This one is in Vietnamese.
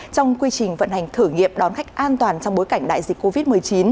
trong quy trình vận hành thử nghiệm đón khách an toàn trong bối cảnh đại dịch covid một mươi chín